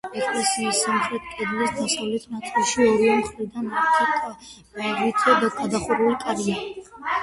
ეკლესიის სამხრეთ კედლის დასავლეთ ნაწილში ორივე მხრიდან არქიტრავით გადახურული კარია.